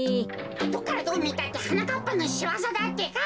どっからどうみたってはなかっぱのしわざだってか。